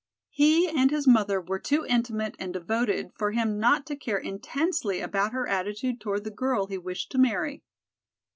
He and his mother were too intimate and devoted for him not to care intensely about her attitude toward the girl he wished to marry.